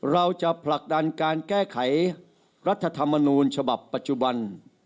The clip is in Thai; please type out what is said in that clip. เราจะผลักดันการแก้ไขรัฐธรรมนูญฉบับปัจจุบัน